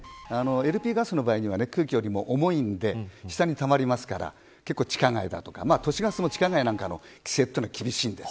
ＬＰガスの場合は空気よりも重いので下にたまりますから結構、地下街とか都市ガスも地下街での規制は厳しいんです。